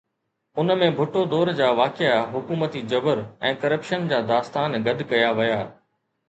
ان ۾ ڀٽو دور جا واقعا، حڪومتي جبر ۽ ڪرپشن جا داستان گڏ ڪيا ويا.